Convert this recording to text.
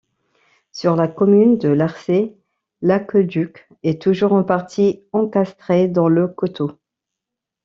Sur la commune de Larçay, l'aqueduc est toujours en partie encastré dans le coteau.